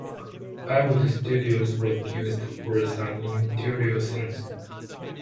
Pinewood Studios was used for some interior scenes.